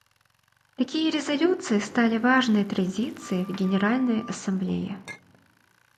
Такие резолюции стали важной традицией в Генеральной Ассамблее.